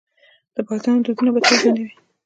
د پښتنو دودونه به تل ژوندي وي.